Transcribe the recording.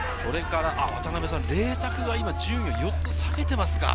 麗澤が今、順位を４つ下げていますか。